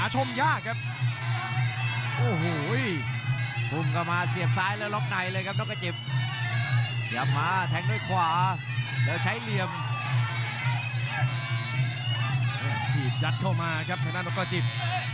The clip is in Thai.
ฉีดจัดเข้ามาครับสำหรับนกระจิบ